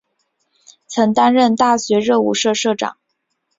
曾担任大学热舞社社长。